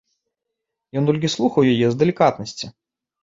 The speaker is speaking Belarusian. Ён толькі слухаў яе з далікатнасці.